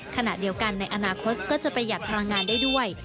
ขณะเดียวกันในอนาคตก็จะประหยัดพลังงานได้ด้วย